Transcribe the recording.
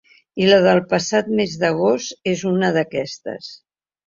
I la del passat mes d’agost n’és una d’aquesta.